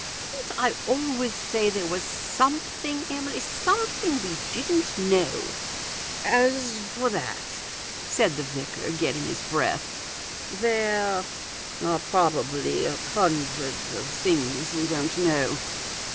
Didn't I always say there was something, Emily, something we didn't know ?" "As for that," said the vicar, getting his breath, " there are probably hundreds of things we don't know."